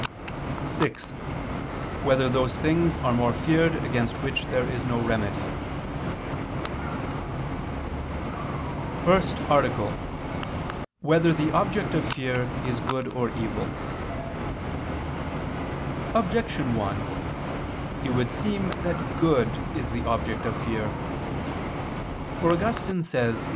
(6) Whether those things are more feared against which there is no remedy? ________________________ FIRST ARTICLE [I II, Q. 42, Art. 1] Whether the Object of Fear Is Good or Evil? Objection 1: It would seem that good is the object of fear. For Augustine says (QQ.